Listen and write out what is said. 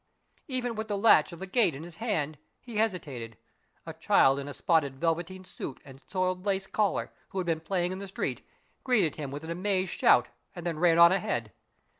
Even with the latch of the gate in his hand, he hesitated. A child in a spotted velveteen suit and a soiled lace collar, who had been playing in the street, greeted him with an amazed shout and then ran on ahead.